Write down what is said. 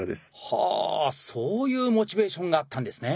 はあそういうモチベーションがあったんですね。